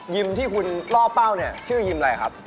ที่คุณล่อเป้าเนี่ยชื่อยิมอะไรครับ